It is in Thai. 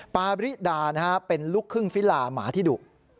ปาริดาเป็นลูกครึ่งฟิลาหมาที่ดุ